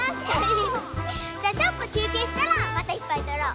じゃちょっときゅうけいしたらまたいっぱいとろう。